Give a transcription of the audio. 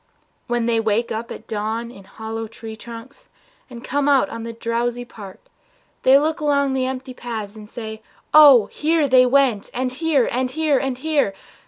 When they wake up at dawn in hollow tree trunks And come out on the drowsy park, they look Along the empty paths and say, "Oh, here They went, and here, and here, and here!